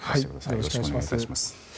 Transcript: よろしくお願いします。